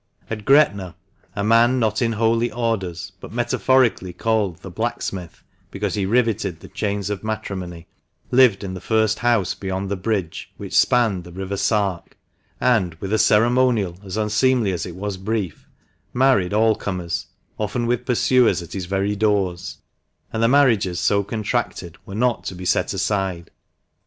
At Gretna a man not in holy orders, but metaphorically called "the blacksmith," because he riveted the chains of matrimony, lived in the first house beyond the bridge which spanned the river Sark, and, with a ceremonial as unseemly as it was brief, married all comers, often with pursuers at his very doors ; and the marriages so contracted were not to be set aside.